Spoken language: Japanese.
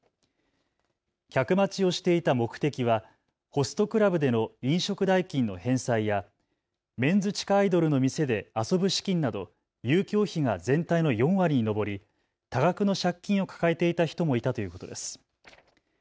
客待ちをしていた目的はホストクラブでの飲食代金の返済やメンズ地下アイドルの店で遊ぶ資金など遊興費が全体の４割に上り多額の借金を抱えていた人もいたということです。